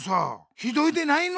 ひどいでないの！